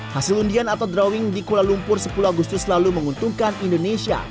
hasil undian atau drawing di kuala lumpur sepuluh agustus lalu menguntungkan indonesia